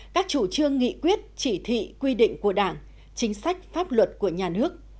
các chủ trương nghị quyết chỉ thị quy định của đảng chính sách pháp luật của nhà nước